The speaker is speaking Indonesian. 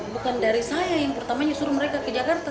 bukan dari saya yang pertama nyusur mereka ke jakarta